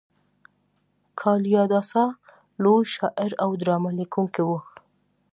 کالیداسا لوی شاعر او ډرامه لیکونکی و.